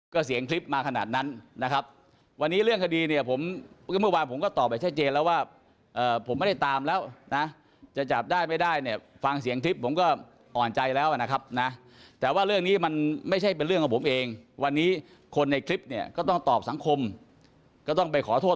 ก็เสียงคลิปมาขนาดนั้นนะครับวันนี้เรื่องคดีเนี่ยผมก็เมื่อวานผมก็ตอบให้ช่วยเจนแล้วว่าผมไม่ได้ตามแล้วนะจะจับได้ไม่ได้เนี่ยฟังเสียงคลิปผมก็อ่อนใจแล้วนะครับนะแต่ว่าเรื่องนี้มันไม่ใช่เป็นเรื่องของผมเองวันนี้คนในคลิปเนี่ยมันไม่ได้ตามแล้วนะจะจับได้ไม่ได้เนี่ยฟังเสียงคลิปผมก็อ่อนใจแล้วนะครับนะแต่ว่าเร